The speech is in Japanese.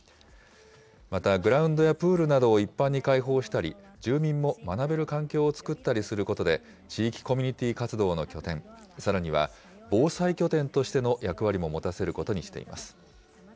また、グラウンドやプールなどを一般に開放したり、住民も学べる環境を作ったりすることで、地域コミュニティー活動の拠点、さらには防災拠点としての役割も持たせることにしています。